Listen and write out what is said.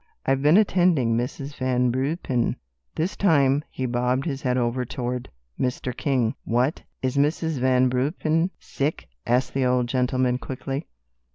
"I've been attending Mrs. Van Ruypen," this time he bobbed his head over toward Mr. King. "What, is Mrs. Van Ruypen sick?" asked the old gentleman, quickly.